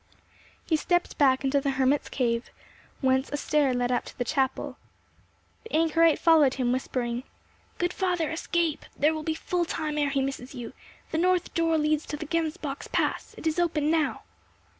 He stepped back into the hermit's cave, whence a stair led up to the chapel. The anchorite followed him, whispering—"Good father, escape! There will be full time ere he misses you. The north door leads to the Gemsbock's Pass; it is open now."